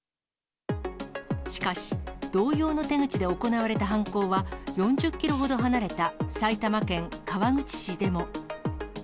しかし、同様の手口で行われた犯行は、４０キロほど離れた埼玉県川口市でも。